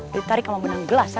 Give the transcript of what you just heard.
ditarik sama benang gelas